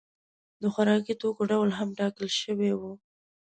د خوراکي توکو ډول هم ټاکل شوی و.